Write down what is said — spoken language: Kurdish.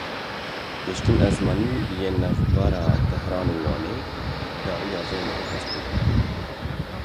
Geştên esmanî yên navbera Tehran û Wanê dawiya vê mehê dest pê dikin.